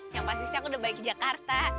yang pasti sih aku udah balik ke jakarta